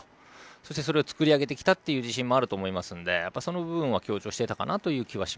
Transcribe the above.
そしてそれを作り上げてきたという自信もあると思いますのでその部分を強調していたかなと。